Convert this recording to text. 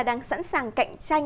đang sẵn sàng cạnh tranh